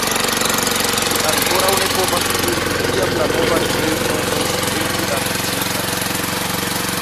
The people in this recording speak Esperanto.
Li ankoraŭ ne povas diri, kiam la nova retejo povos esti lanĉita.